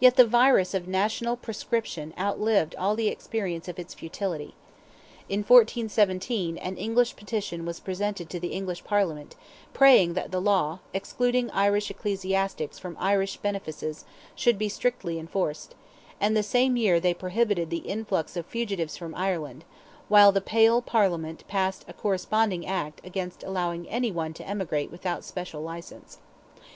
Yet the virus of national proscription outlived all the experience of its futility. In 1417, an English petition was presented to the English Parliament, praying that the law, excluding Irish ecclesiastics from Irish benefices, should be strictly enforced; and the same year they prohibited the influx of fugitives from Ireland, while the Pale Parliament passed a corresponding act against allowing any one to emigrate without special license.